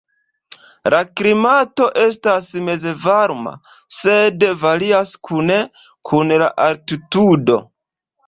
La klimato estas mezvarma, sed varias kune kun la altitudo.